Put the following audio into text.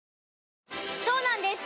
そうなんです